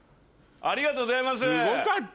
ありがとうございます！